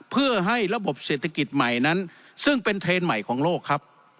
เพื่อให้ระบบเศรษฐกิจใหม่นั้นซึ่งเป็นเทรนด์ใหม่ของโลกครับ